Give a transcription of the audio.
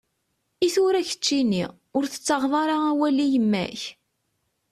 Itura keččini, ur tettaɣeḍ ara awal i yemma-k?